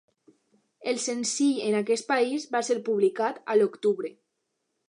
El senzill en aquest país va ser publicat a l'octubre.